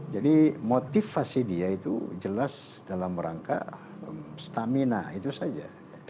jadi motivasi dia itu jelas dalam rangka stamina itu saja